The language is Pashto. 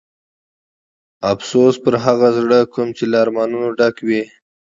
افسوس د هغه زړه کوم چې له ارمانونو ډک و.